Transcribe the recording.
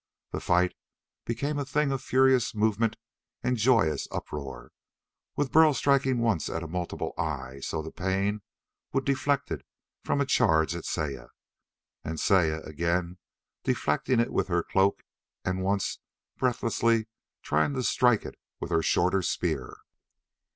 The fight became a thing of furious movement and joyous uproar, with Burl striking once at a multiple eye so the pain would deflect it from a charge at Saya, and Saya again deflecting it with her cloak and once breathlessly trying to strike it with her shorter spear.